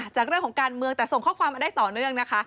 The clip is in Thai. จากเรื่องของการเมืองแต่ส่งข้อความมาได้ต่อเนื่องนะคะ